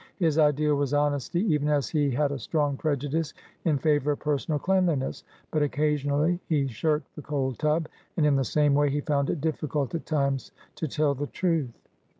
His ideal was honesty, even as he had a strong prejudice in favour of personal cleanliness. But occasionally he shirked the cold tub; and, in the same way, he found it difficult at times to tell the truth.